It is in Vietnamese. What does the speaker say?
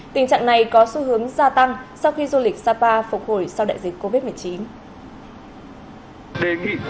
tình trạng này có xu hướng gia tăng sau khi du lịch sapa phục hồi sau đại dịch covid một mươi chín